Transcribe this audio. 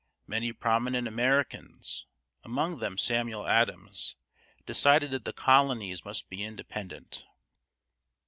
Many prominent Americans, among them Samuel Adams, decided that the colonies must be independent.